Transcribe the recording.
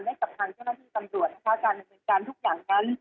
ได้กับทางเจ้าหน้าที่ตำรวจนะคะการอำนวยจันทร์ทุกอย่างกัน